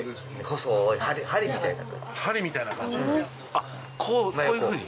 あっこういうふうに？